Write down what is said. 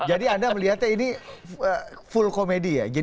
jadi anda melihatnya ini full komedi ya